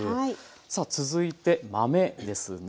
さあ続いて豆ですね。